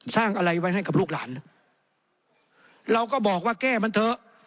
สร้างอะไรไว้ให้กับลูกหลานเราก็บอกว่าแก้มันเถอะ